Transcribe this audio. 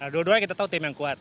dua duanya kita tahu tim yang kuat